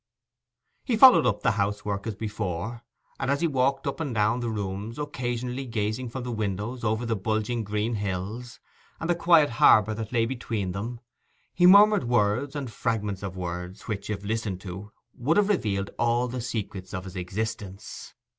He followed up the house work as before, and as he walked up and down the rooms, occasionally gazing from the windows over the bulging green hills and the quiet harbour that lay between them, he murmured words and fragments of words, which, if listened to, would have revealed all the secrets of his existence.